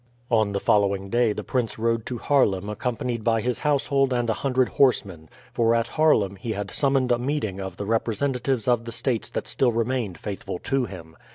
On the following day the prince rode to Haarlem accompanied by his household and a hundred horsemen, for at Haarlem he had summoned a meeting of the representatives of the states that still remained faithful to him.